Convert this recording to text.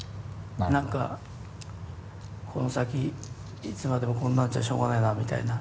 何かこの先いつまでもこんなんじゃしょうがないなみたいな。